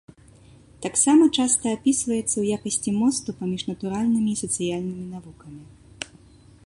Таксама часта апісваецца ў якасці мосту паміж натуральнымі і сацыяльнымі навукамі.